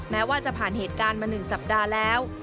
แม้ว่าจะผ่านเหตุการณ์มา๑สัปดาห์แล้ว